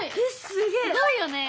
すごいよね！